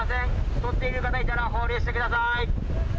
とっている方いたら放流してください。